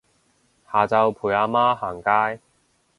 下晝陪阿媽行街